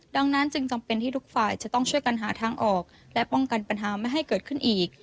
ดังนั้นจึงจำเป็นที่ทุกฝ่ายจะต้องช่วยกันหาทางออกและป้องกันปัญหาไม่ให้เกิดขึ้นอีก